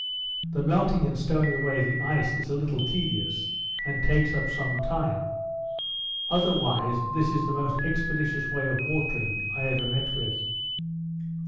The melting and stowing away the ice is a little tedious, and takes up some time; otherwise this is the most expeditious way of watering I ever met with.